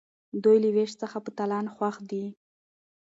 دوی له ویش څخه په تالان خوښ دي.